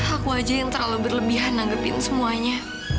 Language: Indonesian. aku aja yang terlalu berlebihan nanggepin semuanya